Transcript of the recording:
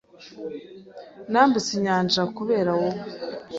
Nambutse inyanja kubera wowe